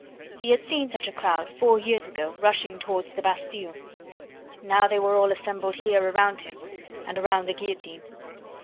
He had seen such a crowd four years ago rushing towards the Bastille. Now they were all assembled here around him and around the guillotine.